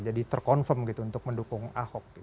jadi ter confirm gitu untuk mendukung ahok gitu